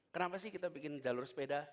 kenapa sih kita bikin jalur sepeda